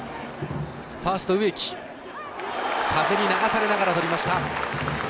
ファースト植木風に流されながらとりました。